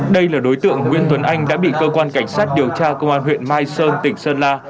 đây là đối tượng nguyễn tuấn anh đã bị cơ quan cảnh sát điều tra công an huyện mai sơn tỉnh sơn la